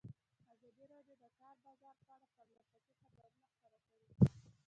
ازادي راډیو د د کار بازار په اړه پرله پسې خبرونه خپاره کړي.